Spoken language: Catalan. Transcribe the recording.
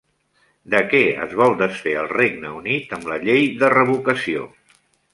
De què es vol desfer el Regne Unit amb la llei de revocació?